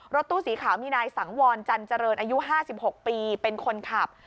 รถตู้สีขาวมีนายสังวรจันเจริญอายุ๕๖ปีเป็นคนขับ